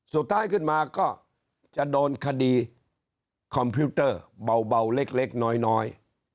สุดท้ายขึ้นมาก็จะโดนคดีคอมพิวเตอร์เบาเล็กน้อย